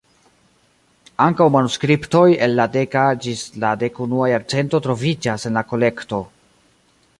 Ankaŭ manuskriptoj el la deka ĝis la dekunua jarcento troviĝas en la kolekto.